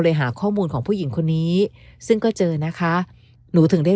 หาข้อมูลของผู้หญิงคนนี้ซึ่งก็เจอนะคะหนูถึงได้